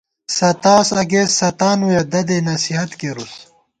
ستاس اگست ستانوِیَہ دَدےنَصِیحت کېرُوس